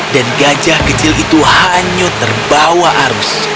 dan gajah kecil itu hanya terbawa arus